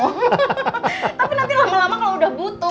tapi nanti lama lama kalo udah butuh